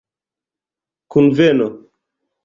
kunveno